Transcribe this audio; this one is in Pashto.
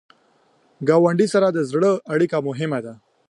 ګاونډي سره د زړه اړیکه مهمه ده